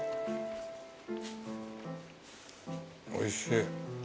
おいしい。